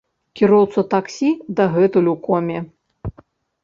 Кіроўца таксі дагэтуль у коме.